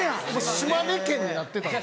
島根県になってたんです。